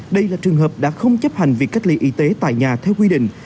đây là trường hợp đã không chấp hành việc cách ly y tế tại nhà theo quy định